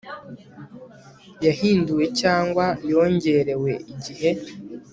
yahinduwe cyangwa yongerewe igihe